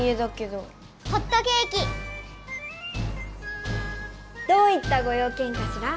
どういったご用けんかしら？